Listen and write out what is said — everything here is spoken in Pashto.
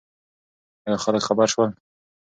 ایا خلک خبر شول؟